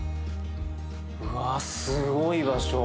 うわすごい場所。